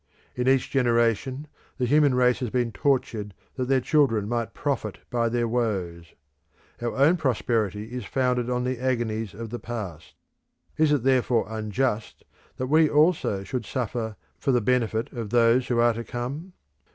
In each generation the human race has been tortured that their children might profit by their woes. Our own prosperity is founded on the agonies of the past. Is it therefore unjust that we also should suffer for the benefit of those who are to come?